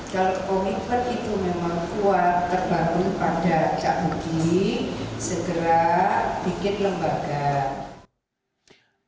segera bikin lembaga